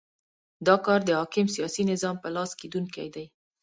دا کار د حاکم سیاسي نظام په لاس کېدونی دی.